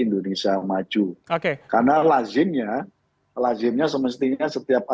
terus berikut ini jakby